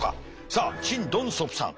さあチン・ドンソプさん。